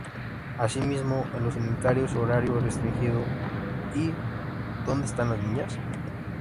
Así mismo, en los Unitarios "Horario Restringido" y "¿Dónde están las niñas?